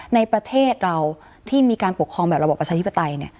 ในประเทศเราที่มีการปกครองแบบระบอบประชาธิปไตย